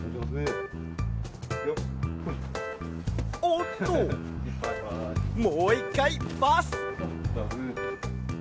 おっともう１かいパス。